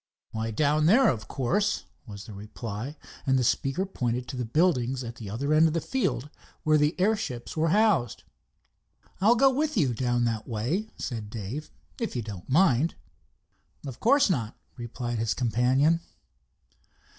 "Why, down there, of course," was the reply, and the speaker pointed to the buildings at the other end of the field, where the airships were housed. "I'll go with you down that way," said Dave, "if you don't mind." "Of course not," replied his companion.